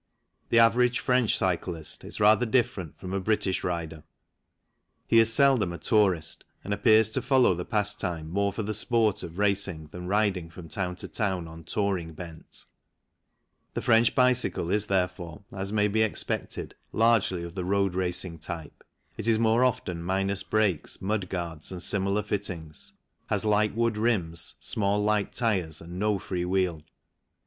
The average French cyclist is rather different from a British rider ; he is seldom a tourist and appears to follow the pastime more for the sport of racing than riding from town to town on touring bent. The French bicycle is therefore, as may be expected, largely of the road racing type. It is more often minus brakes, mudguards and similar fittings, has light wood rims, small light tyres, and no free wheel.